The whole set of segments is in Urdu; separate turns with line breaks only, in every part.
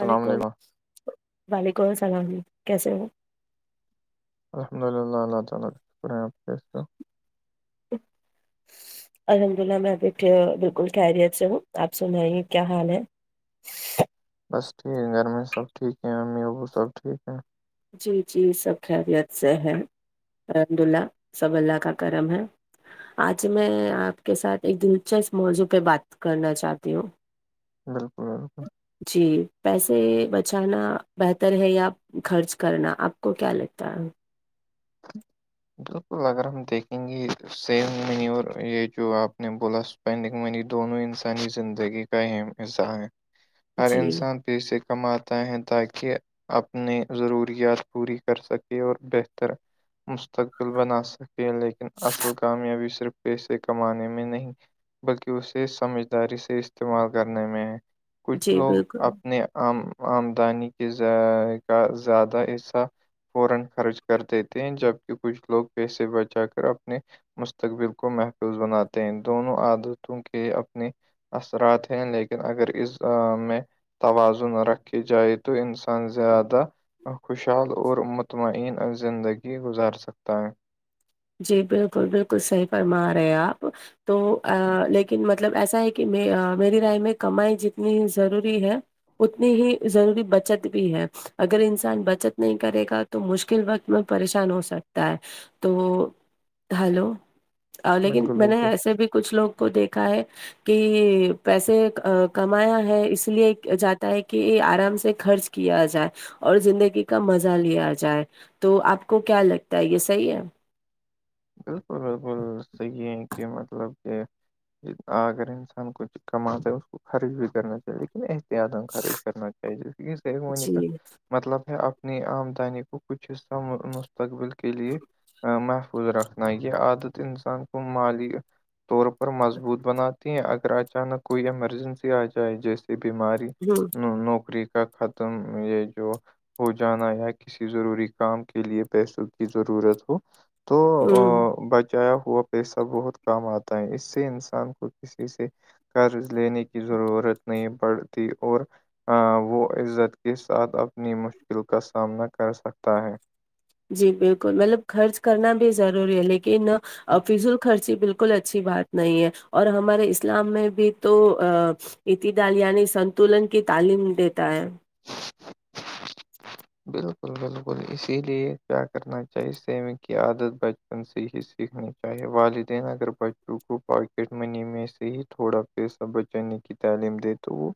السلام علیکم
وعلیکم السلام کیسے ہو
الحمد للہ اللہ تعالی شکرہ آپ کیسے ہو
الحمد للہ میں ابھی بالکل خیریت سے ہوں آپ سنائیے کیا حال ہے
بس ٹھیک ہے گھر میں سب ٹھیک ہے امی ابو سب ٹھیک ہیں
جی جی سب خیریت سے ہے الحمد للہ سب اللہ کا کرم ہے آج میں آپ کے ساتھ ایک دلچسپ موضوع پہ بات کرنا چاہتی ہوں
بالکل بالکل
جی پیسے بچانا بہتر ہے یا خرچ کرنا آپ کو کیا لگتا ہے
بالکل اگر ہم دیکھیں گے سیونگ منی اور یہ جو آپ نے بولا سو اسپینڈنگ منی دونوں انسانی زندگی کا اہم حصہ ہے ہر
جی
انسان پیسے کماتا ہیں تاکہ اپنے ضروریات پوری کر سکے اور بہتر مستقبل لبنا سکتے ہیں لیکن اصل کامیابی صرف پیسے کمانے میں نہیں بلکہ اسے سمجھداری سے استعمال کرنے میں ہے کچھ
جی
لوگ
بالکل
اپنے آم آمدانی کے کا زیادہ حصہ فوران خرچ کر دیتے ہیں جبک کچھ لوگ پیسے بچا کر اپنے مستقبل کو محفوظ بناتے ہیں دونوں عادتوں کے اپنے اثرات ہیں لیکن اگر اس میں توازن رکھی جائے تو انسان زیادہ خوشحال اور مطمئن زندگی گزار سکتا ہے
جی بالکل بالکل صحیح فرما رہے آپ تو لیکن مطلب ایسا ہے کہ میری رائے میں کمائی جتنی ضروری ہے اتنی ہی ضروری بچت بھی ہے اگر انسان بچت نہیں کرے گا تو مشکل وقت میں پریشان ہو سکتا ہے تو ہلو لیکن
بالکل
میں نے
بالکل
ایسے بھی کچھ لوگوں کو دیکھا ہے کہ پیسے کمایا ہے اس لیے جاتا ہے کہ یہ آرام سے خرچ کیا جائے اور زندگی کا مزہ لیا جائے تو آپ کو کیا لگتا ہے یہ صحیح ہے
بالکل بالکل صحیح ہے کہ مطلب کہ اگر انسان کوئی کماتا ہے اس کو خرچ بھی کرنا چاہیے احتیاط خرچ کرنا چاہیے
جی
[unintelligible] مطلب ہے اپنی آمدنی کو کچھ حصہ مستقبل کے لیے مہ خود رکھنا یہ عادت انسان کو مالی طور پر مضبوط بناتی ہیں اگر اچانک کوئی ایمرجنسی آ جائے جیسے یہ بیماری
ہوں
نوکری کا ختم یہ جو ہو جانا یا کسی ضروری کام کے لیے پیسوں کی ضرورت ہو تو ا
ہوں
بچ چایا ہوا پیسہ بہت کام آتا ہے اس سے انسان کو کسی سے قرض لینے کی ضرورت نہیں پڑتی اور وہ عزت کے ساتھ اپنی مشکل کا سامنا کر سکتا ہے
جی بالکل مطلب خرچ کرنا بھی ضروری ہے لیکن فضول خرچی بالکل اچھی بات نہیں ہے اور ہمارے اسلام میں بھی تو ا اعتدال یعنی سنتولن کی تعلیم دیتا ہے
بالکل بالکل اسی لیے کیا کرنا چاہیے سیونگ کی عادت ب ان سے ہی سیکھنی چاہیے والدین اگر بچوں کو پاکٹ منی میں سے ہی تھوڑا پیسا بچانے کی تعلیم دے تو وہ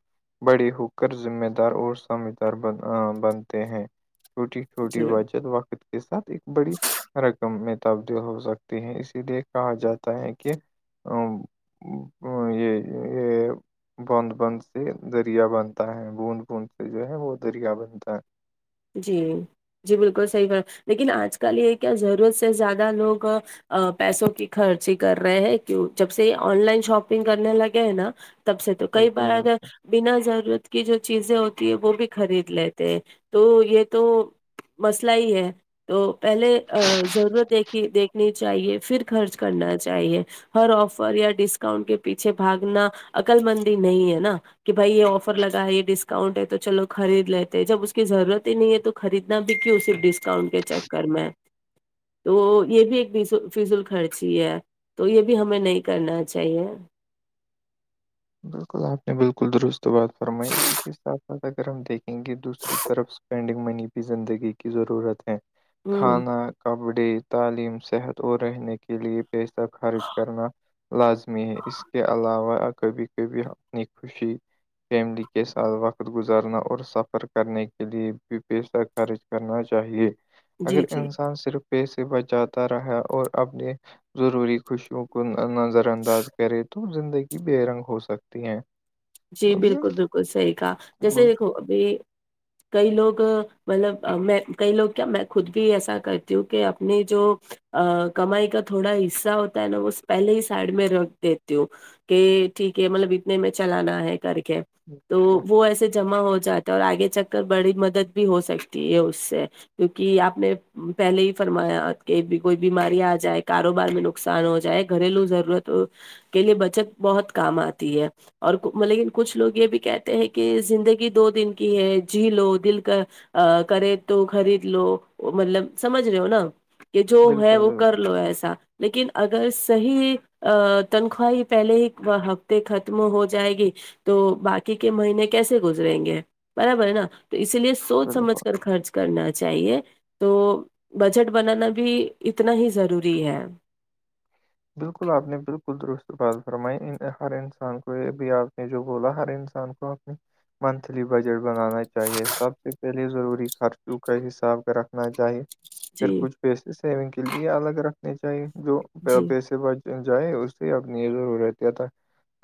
بڑی ہوکر ذمہ دار اور سمجھدار ب بن ہیں چھوٹی چھوٹی
جی
بچت وقت کی کے ساتھ ایک بڑی رقم میں تبدیل ہو سکتی ہے اسی لیے کہا جاتا ہے کہ ا یہ یہ بند بند سے دریا بنتا ہے بوند بوند سے جو ہے وہ دریا بنتا ہے
جی جی بالکل صحیح بات لیکن آج کل یہ کیا ضرورت سے زیادہ لوگ پیسوں کی خرچ ہی کر رہے ہیں کی جب سے آن لائن شاپنگ کرنے لگے ہیں نا تب سے تو کئی
بالکل
بار اگر
بالکل
بنا ضرورت کی جو چیزیں ہوتی ہے وہ بھی خرید لیتے ہیں تو یہ تو مسئلہ ہی ہے تو پہلے ضرورت دیکھی دیکھنی چاہیے پھر خرچ کرنا چاہیے ہر آفر یا ڈسکاؤنٹ کے پیچھے بھاگنا عقل مندی نہیں ہے نا کہ بھائی یہ آفر لگا ہے یہ ڈسکاؤنٹ ہے تو چلو خرید لیتے ہیں جب اس کی ضرورت ہی نہیں ہے تو خریدنا بھی کیوں صرف ڈسکاؤنٹ کے چکر میں تو یہ بھی ایک فضول خرچی ہے تو یہ بھی ہمیں نہیں کرنا چاہیے
بالکل آپ نے بالکل درست بات فرمائی اسی کے ساتھ ساتھ اگر ہم دیکھیں گے دوسری طرف سے اسپینڈنگ منی بھی زندگی کی ضرورت ہے
ہ
کھانا کپڑے تعلیم صحت اور رہنے کے لیے پیسہ خرچ کرنا لازمی ہے اس کے علاوہ کبھی کبھی اپنی خوشی فیملی کے ساتھ وقت گزارنا اور سفر کرنے کے لیے بھی پیسہ خرچ کرنا چاہیے
جی
اگر
جی
انسان صرف پیسے بچاتا رہا اور اپنے ضروری خوشیوں کو نظر انداز کرے تو زندگی بے رنگ ہو سکتی ہے
جی بالکل بالکل صحیح کہا جیسے
بالکل
دیکھو ابھی کئی لوگ مطلب میں کئی لوگ کیا میں خود بھی ایسا کرتی ہوں کہ اپنی جو ا کمائی کا تھوڑا حصہ ہوتا ہے نا وہ پہلے ہی سائڈ میں رکھ دیتے ہو کہ ٹھیک ہے مطلب اتنے میں چلانا ہے کر کے تو وہ ایسے جمع ہو جات اور آگے چل کر بڑی مدد بھی ہو سکتی ہے اس سے کیونکہ آپ نے پہلے ہی فرمایا کہ کوئی بیماری آ جائے کاروبار میں نقصان ہو جائے گھریلو ضرورتوں کے لیے بچت بہت کام آتی ہے اور مگر لیکن کچھ لوگ یہ بھی کہتے ہیں کہ زندگی دو دن کی ہے جی لو دل کا ا کرے تو خرید لو مطلب سمجھ رہے ہو نا کہ جو ہے
بالکل
وہ
بالکل
کر لو ایسا لیکن اگر صحیح تنخواہ پہلے ہی ہفتے تک ختم ہو جائے گی تو باقی کے مہینے کیسے گزریں گے برابر ہے نا تو اسی لیے سوچ
بالکل
سمجھ کر خرچ کرنا چاہیے تو بجٹ بنانا بھی اتنا ہی ضروری ہے
بالکل آپ نے بالکل درست بات فرمائی ہر انسان کو یہ ابھی آپ نے جو بولا ہر انسان کو منتھلی بجٹ بنانا چاہیے سب سے پہلے ضروری خرچوں کا حساب رکھنا چاہیے پھر
جی
کچھ پیسے سیونگ کے لیے الگ رکھنے چاہیے جو
جی
پیسے بچ جائے اس سے اپنی یہ ضرور رہتا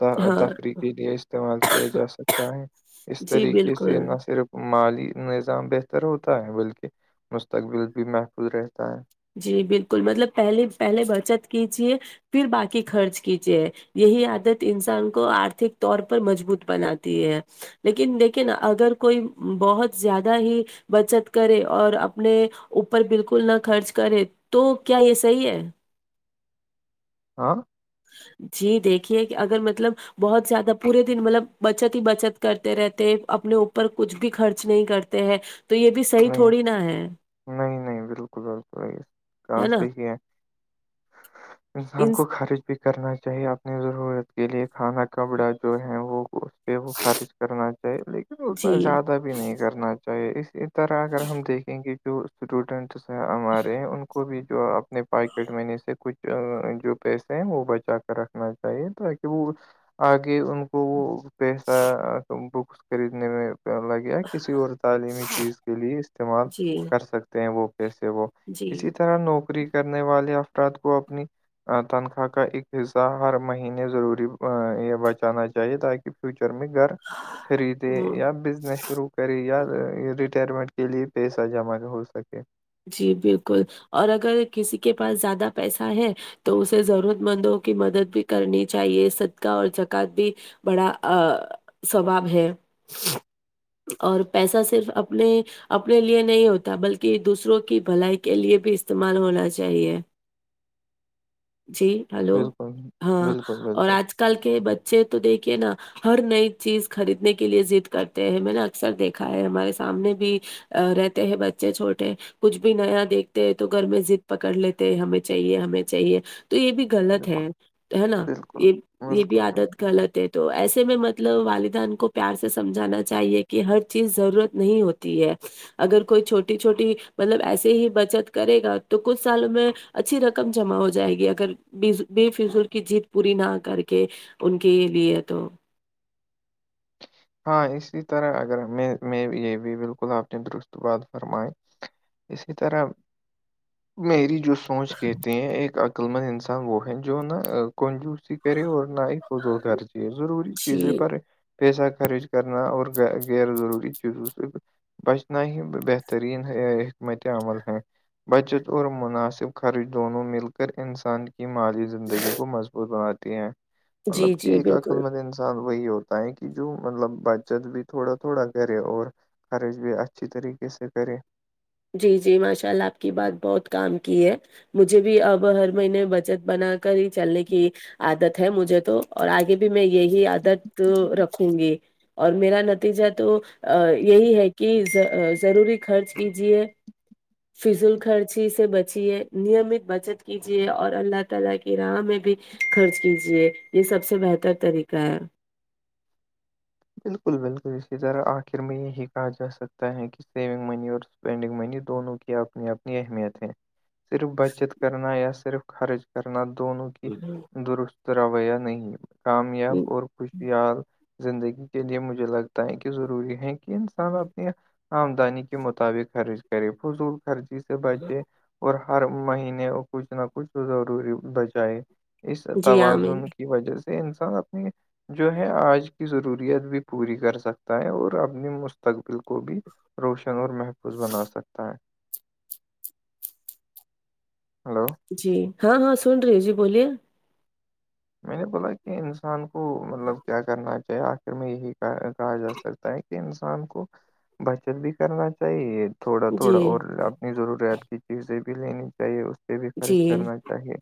تھا
ہاں
تفریح کے لیے استعمال کیا جا سکتا ہے اس
جی
طریقے سے
بالکل
نہ صرف مالی نظام بہتر ہوتا ہے بلکہ مستقبل بھی محفوظ رہتا ہے
جی بالکل مطلب پہلے پہلے بچت کیجیے پھر باقی خرچ کیجیے یہی عادت انسان کو آرتھک طور پر مضبوط بناتی ہے لیکن دیکھے نا اگر کوئی بہت زیادہ ہی بچت کرے اور اپنے اوپر بالکل نہ خرچ کرے تو کیا یہ صحیح ہے
ہاں
جی دیکھیے کہ اگر مطلب بہت زیادہ پورے دن مطلب بچت ہی بچت کرتے رہتے اپنے اوپر کچھ بھی خرچ نہیں کرتے تے ہیں تو یہ بھی صحیح
نہیں
تھوڑی نا ہے
نہیں نہیں بالکل بالکل کہاں صحیح ہے انسان
ان
کو خرچ بھی کرنا چاہیے اپنی ضرورت کے لیے کھانا کپڑا جو ہے وہ اس پہ وہ خرچ کرنا چاہیے لیکن اس
جی
میں زیا دہ بھی نہیں کرنا چاہیے اسی طرح اگر ہم دیکھیں گے جو اسٹوڈنٹس ہمارے ان کو بھی جو اپنے پاکٹ منی سے کچھ جو پیسے ہیں وہ بچا کر رکھنا چاہیے تاکہ وہ آگے ان کو وہ پیسہ بکس خریدنے میں لگے یا کسی اور تعلیمی چیز کے لیے استعمال
جی
کر سکتے ہیں وہ پیسے وہ
جی
اسی طرح اس طرح نوکری کرنے والے افراد کو اپنی تنخواہ کا ایک حصہ ہر مہینے ضروری یہ بچانا چاہیے تاکہ فیوچر میں گھر خریدے یا بزنس شروع کرے یا
ہ
ریٹائرمنٹ کے لیے پیسہ جمع ہو سکے
جی بالکل اور اگر کسی کے پاس زیادہ پیسہ ہے تو اسے ضرورت مندوں کی مدد بھی کرنی چاہیے صدقہ اور زکوته بھی بڑا ثواب ہے اور پیسہ صرف اپنے اپنے لیے نہیں ہوتا بلکہ دوسروں کی بھلائی کے لیے بھی استعمال ہونا چاہیے جی ہلو
بالکل
ہاں
بالکل
اور
بالکل
آج کل کے بچے تو دیکھئے نا ہر نئی چیز خریدنے کے لیے ضد کرتے ہیں میں نے اکثر دیکھا ہے ہمارے سامنے بھی رہتے ہیں بچے چھوٹے کچھ بھی نیا دیکھتے ہیں تو گھر میں ضد پکڑ لیتے ہیں ہمیں چاہیے ہمیں چاہیے تو یہ بھی
بالکل
غلط
بالکل
ہے ہے نا
بالکل
یہ یہ بھی
بالکل
عادت غلط ہے تو ایسے میں مطلب والدین کو پیار سے سمجھانا چاہیے کہ ہر چیز ضرورت نہیں ہو تی ہے اگر کوئی چھوٹی چھوٹی مطلب ایسے ہی بچت کرے گا تو کچھ سالوں میں اچھی رقم جمع ہو جائے گی اگر بے فضول کی جیت پوری نہ کر کے ان کے لیے تو
ہاں اسی طرح اگر میں میں یہ بھی بالکل آپ نے درست بات فرمائی اسی طرح میری جو سونچ کہتے ہیں ایک عقل مند انسان وہ ہے جو نہ کنجوسی کرے اور نہ ہی فضول خرچی ضروری
جی
چیزیں پر پیسہ خرچ کرنا اور غیر ضروری چیزوں سے بچنا ہی بہترین ہے بہترین عمل ہیں بچت اور مناسب خرچ دونوں مل کر انسان مالی زندگی کو مضبوط بناتی ہیں مطلب
جی
کہ
جی
ایک عقل
بالکل
مند انسان وہی ہوتا ہے کی جو مطلب بچت بھی تھوڑا تھوڑا کرے اور خرچ بھی اچھی طریقے سے کرے
جی جی ماشاء اللہ آپ کی بات بہت کام کی ہے مجھے بھی اب ہر مہینے بچت بنا کر ہی چلنے کی عادت ہے مجھے تو اور آگے بھی میں یہی عادت رکھوں گی اور میرا نتیجہ تو ا یہی ہے کہ ضروری خرچ کیجیے فضول خرچی سے بچیے نیمت بچت کیجیے اور اللہ تعالی کی راہ میں بھی خرچ کیجیے یہ سب سے بہتر طریقہ ہے
بالکل بالکل اسی طرح آخر میں یہی کہا جا سکتا ہے کہ سیونگ منی اور اسپینڈنگ منی دونوں کی اپنی اپنی اہمیت ہے صرف بچت کرنا یا صرف خرچ کرنا دونوں درست رویہ نہیں کامیاب اور خوشیال زندگی کے لیے مجھے لگتا ہے کہ ضروری ہے کہ انسان اپنے آمدنی کے مطابق خرچ کرے فضول خرچی سے بچے اور ہر مہینے کچھ نہ کچھ ضروری بچائے اس
جی عامر
توازن کی وجہ سے انسان اپنی جو ہے آج کی ضرورت ور بھی پوری کر سکتا ہے اور اپنی مستقبل کو بھی روشن اور محفوظ بنا سکتا ہے ہیلو
جی ہاں ہاں سن رہی جی بولیے
میں نے بولا کہ انسان کو مطلب کیا کرنا چاہیے آخر میں یہی کہا جا سک تا ہے کہ انسان کو بچت بھی کرنا چاہیے تھوڑا
جی
تھوڑا اور اپنی ضروریات کی چیزیں بھی لینی چاہیے اس پہ بھی
جی
خرچ کرنا چاہیے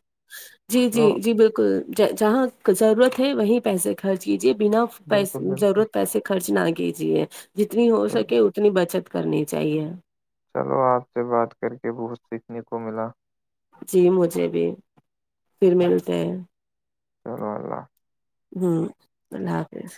جی جی
چلو
جی بل کل ج جہاں ضرورت ہے وہیں پیسے خرچ کیجیے بنا پے
بالکل بالکل
ضرورت پیسے کے خرچ نہ کیجیے جتنی ہو
بالکل
سکے اتنی بچت کرنی چاہیے
چلو آپ سے بات کرکے بہت سیکھنے کو ملا
جی مجھے بھی پھر ملتے ہیں
چلو اللہ
ہوں اللہ حافظ